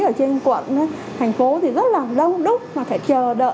ở trên quận thành phố thì rất là đông đúc mà phải chờ đợi